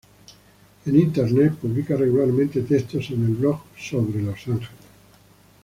En internet publica regularmente textos en el blog "Sobre los ángeles".